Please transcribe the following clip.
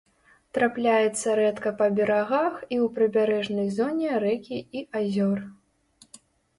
Трапляецца рэдка па берагах і ў прыбярэжнай зоне рэкі і азёр.